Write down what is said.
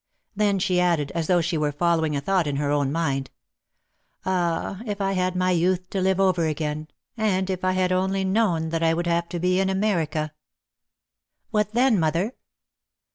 Then she added, as though she were following a thought in her own mind, "Ah, if I had my youth to live over again, and if I had only known that I would have to be in America!" "What then, mother?"